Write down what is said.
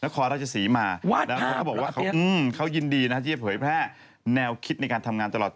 กรีนสีและกาวแป้งที่เมื่อก่อนพี่หนุ๊ยเล่นเรื่องอะไรนะครับ